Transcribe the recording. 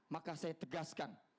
maka saya tegaskan